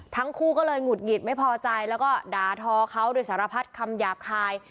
ทั้งคู่ก็เลยหงุดหงิดไม่พอใจแล้วก็ด่าทอเขาโดยสารพัดคำหยาบคาย